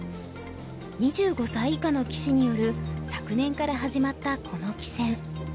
２５歳以下の棋士による昨年から始まったこの棋戦。